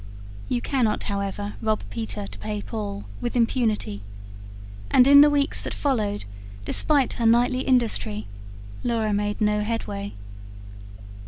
You cannot however rob Peter to pay Paul, with impunity, and in the weeks that followed, despite her nightly industry, Laura made no headway.